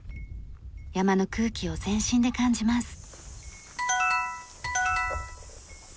山の空気を全身で感じます。